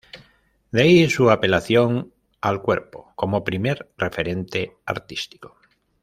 De ahí su apelación al 'cuerpo' como primer referente artístico.